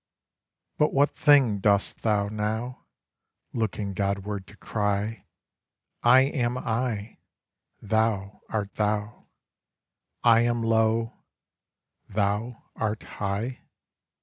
But what thing dost thou now, Looking Godward, to cry "I am I, thou art thou, I am low, thou art high"?